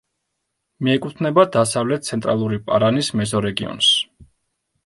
მიეკუთვნება დასავლეთ-ცენტრალური პარანის მეზორეგიონს.